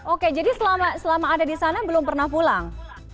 oke jadi selama ada di sana belum pernah pulang